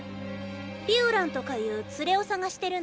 ピオランとかいう連れを捜してるんだね。